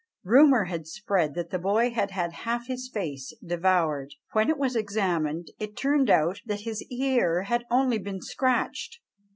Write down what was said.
Rumour had spread that the boy had had half his face devoured; when it was examined, it turned out that his ear had only been scratched!